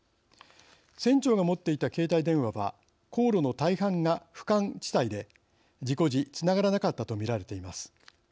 船長が持っていた携帯電話は航路の大半が不感地帯で事故時つながらなかったと見られています。